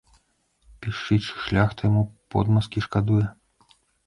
Пішчыць, што шляхта яму подмазкі шкадуе.